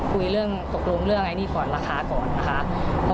คุยเรื่องตกลงเรื่องไอ้นี่ก่อนราคาก่อนนะคะ